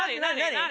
何？